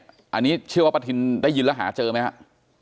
อันนี้เชื่อว่าประทินได้ยินแล้วหาเจอไหมครับ